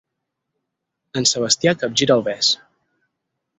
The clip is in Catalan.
En Sebastià capgira el bes.